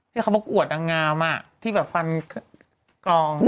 ที่เขาประกวดนางงามที่แบบฟันกอง